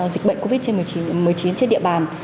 dịch bệnh covid một mươi chín trên địa bàn